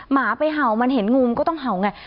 หมาไปเห่ามันเห็นงูมันก็ต้องเห่าไง